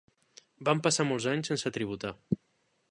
Van passar molts anys sense tributar.